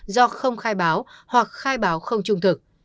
do không khai báo hoặc khai báo không trung thực